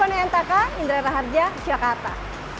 terima kasih juga indra raja jakarta